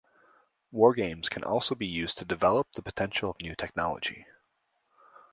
Wargames can also be used to develop the potential of new technology.